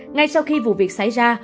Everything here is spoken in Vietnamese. ngay sau khi vụ việc xảy ra